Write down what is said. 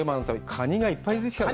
カニがいっぱい出てきたぞ。